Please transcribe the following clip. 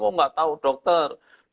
oh nggak tahu dokter